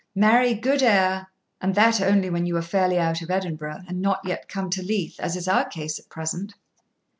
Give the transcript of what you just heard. Marry, good air," and that only when you are fairly out of Edinburgh, and not yet come to Leith, as is our case at present.'